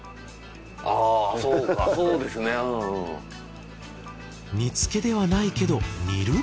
あそうかそうですね。煮付けではないけど煮る？